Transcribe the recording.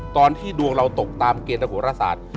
ตอนที่ดวงเราตกตามเกณฑ์โหรศาสตร์